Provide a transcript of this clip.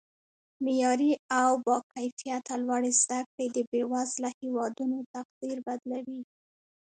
معیاري او با کیفته لوړې زده کړې د بیوزله هیوادونو تقدیر بدلوي